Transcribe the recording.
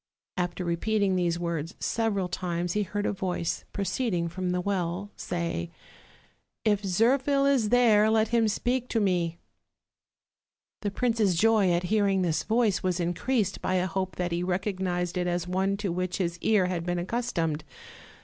'' After repeating these words several times he heard a voice, proceeding from the well, say: "If Zirphil is there, let him speak to me." The prince's joy at hearing this voice was increased by a hope that he recognized it as one to which his ear had been accustomed.